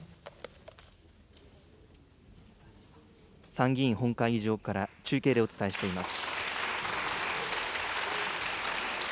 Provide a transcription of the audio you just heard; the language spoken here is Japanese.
参議院本会議場から中継でお伝えしています。